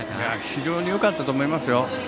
非常によかったと思いますよ。